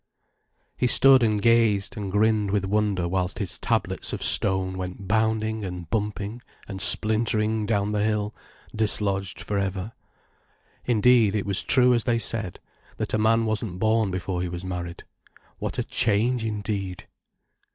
He stood and gazed and grinned with wonder whilst his Tablets of Stone went bounding and bumping and splintering down the hill, dislodged for ever. Indeed, it was true as they said, that a man wasn't born before he was married. What a change indeed!